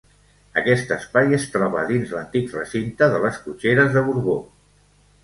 Aquest espai es troba dins l'antic recinte de les cotxeres de Borbó.